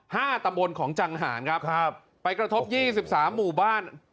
ห้าตำบลของจังหารครับครับไปกระทบยี่สิบสามหมู่บ้าน